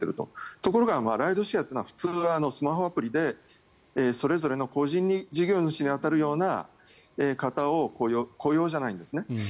ところがライドシェアは普通はスマホアプリでそれぞれの個人事業主に当たるような方を雇用じゃないんですね。